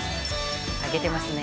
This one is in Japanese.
上げてますね。